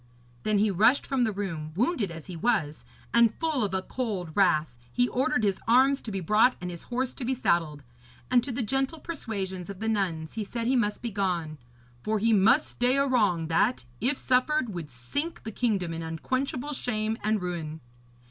Then he rushed from the room, wounded as he was; and, full of a cold wrath, he ordered his arms to be brought and his horse to be saddled. And to the gentle persuasions of the nuns he said he must be gone, 'for he must stay a wrong that, if suffered, would sink the kingdom in unquenchable shame and ruin.'